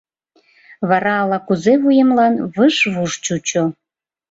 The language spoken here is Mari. Вара ала-кузе-вуемлан выж-вуж чучо.